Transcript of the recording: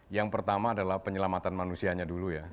yang pertama adalah penyelamatan manusianya dulu ya